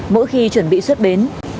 mỗi khi chuẩn bị xuất bến